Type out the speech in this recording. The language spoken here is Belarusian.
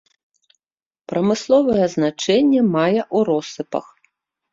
Прамысловае значэнне мае ў россыпах.